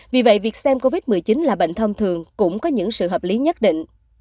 vì vậy việc xem covid một mươi chín là bệnh thông thường cũng có những sự hợp lý nhất định